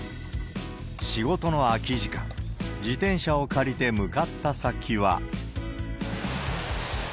仕事の空き時間、自転車を借りて向かった先は。